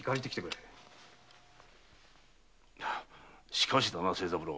しかしだな清三郎。